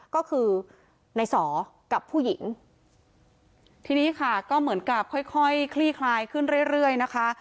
ก็คือในสอกับผู้หญิงทีนี้ค่ะก็เหมือนกับค่อยค่อยคลี่คลายขึ้นเรื่อยเรื่อยนะคะ